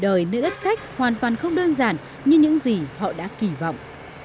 đời nơi đất khách hoàn toàn không đơn giản như những gì họ đã kỳ vọng